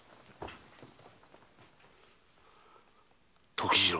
時次郎。